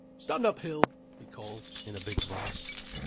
"Stand up, Hill!" he called, in a big voice.